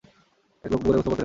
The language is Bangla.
এক লোক পুকুরে গোসল করতে নেমেছে।